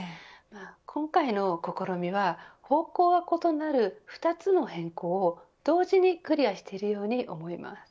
今回の試みは方向が異なる２つの変更を同時にクリアしているように思います。